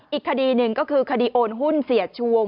อีกคดีหนึ่งก็คือคดีโอนหุ้นเสียชวง